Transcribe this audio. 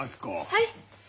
はい。